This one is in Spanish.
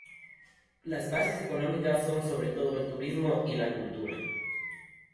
Las bases económicas son sobre todo el turismo y la viticultura.